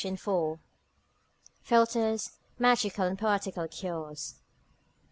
IV.—Philters, Magical and Poetical Cures.